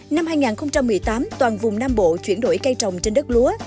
năm hai nghìn một mươi tám toàn vùng nam bộ chuyển đổi cây trồng trên đất lúa